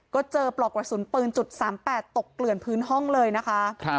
ก็เจอปลอกวัดศูนย์ปืนจุด๓๘ตกเกลื่อนพื้นห้องเลยนะคะ